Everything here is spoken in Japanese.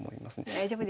大丈夫です。